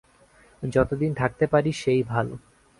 যতদিন থাকতে পারি সেই ভালো।